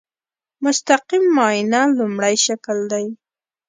مستقیم معاینه لومړی شکل دی.